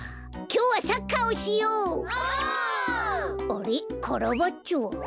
あれっカラバッチョは？